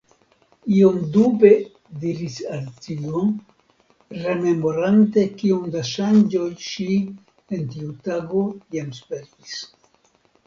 Iom dube diris Alicio, rememorante kiom da ŝanĝoj ŝi en tiu tago jam spertis.